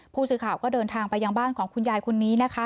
ผู้สื่อข่าวก็เดินทางไปยังบ้านของคุณยายคนนี้นะคะ